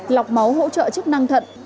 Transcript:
lọc máu hỗ trợ chức năng thận